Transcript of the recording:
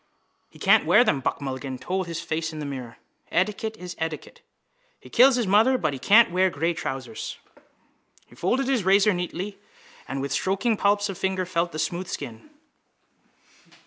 —He can't wear them, Buck Mulligan told his face in the mirror. Etiquette is etiquette. He kills his mother but he can't wear grey trousers. He folded his razor neatly and with stroking palps of fingers felt the smooth skin.